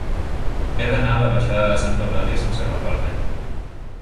He d'anar a la baixada de Santa Eulàlia sense agafar el metro.